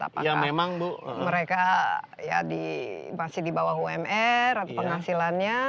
apakah mereka ya masih di bawah umr atau penghasilannya